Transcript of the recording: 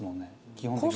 基本的に。